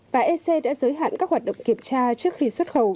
và ec đã giới hạn các hoạt động kiểm tra trước khi xuất khẩu